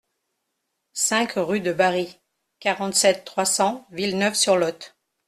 cinq rue de Barris, quarante-sept, trois cents, Villeneuve-sur-Lot